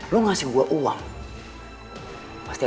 gue gak butuh uang dari lo